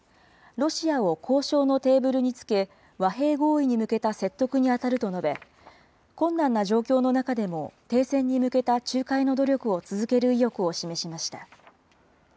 ロシアを交渉のテーブルにつけ、和平合意に向けた説得にあたると述べ、困難な状況の中でも、停戦に向けた仲介の努力を続ける意欲を示しました。